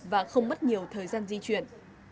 và không bất nhiều thời gian di chuyển